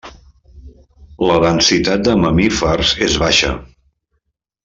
La densitat de mamífers és baixa.